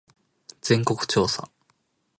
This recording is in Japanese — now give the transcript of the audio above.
全国調査